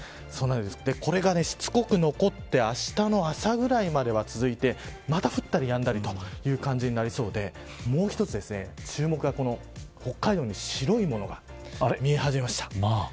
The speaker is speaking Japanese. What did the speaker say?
これが、しつこく残ってあしたの朝ぐらいまでは続いてまた降ったりやんだりという感じになりそうでもう一つ注目がこの北海道に白いものが見え始めました。